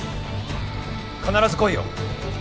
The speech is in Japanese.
必ず来いよ。